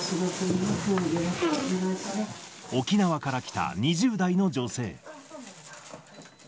沖縄から来た２０代の女性。